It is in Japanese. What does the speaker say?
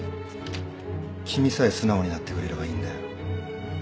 君さえ素直になってくれればいいんだよ。